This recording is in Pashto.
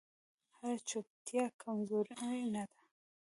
هره چوپتیا کمزوري نه ده